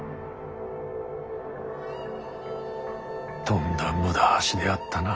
とんだ無駄足であったな。